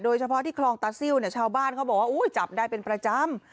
โดยเฉพาะที่คลองตาซิลเนี่ยชาวบ้านเขาบอกว่าจับได้เป็นประจำ